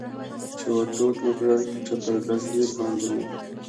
چې ور ټوپ مې کړل، پر دستګیر باندې مې.